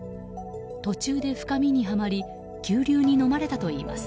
途中で深みにはまり急流にのまれたといいます。